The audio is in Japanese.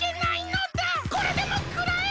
これでもくらえ！